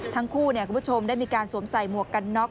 คุณผู้ชมได้มีการสวมใส่หมวกกันน็อก